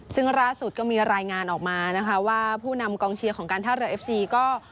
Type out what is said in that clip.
ซึ่งล่าสุดก็มีรายงานออกมานะคะว่าผู้นำกองเชียร์ของการท่าเรือเอฟซีก็